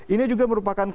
ini juga merupakan kompetisi